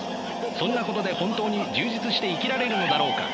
そんなことで本当に充実して生きられるのだろうか。